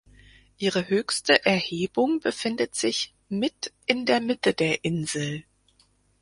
Ihre höchste Erhebung befindet sich mit in der Mitte der Insel.